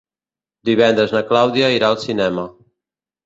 Divendres na Clàudia irà al cinema.